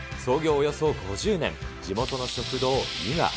およそ５０年、地元の食堂伊賀。